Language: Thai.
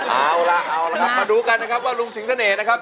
เอาล่ะเอาละครับมาดูกันนะครับว่าลุงสิงเสน่ห์นะครับ